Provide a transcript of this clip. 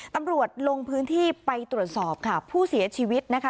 ตำรวจลงพื้นที่ไปตรวจสอบค่ะผู้เสียชีวิตนะคะ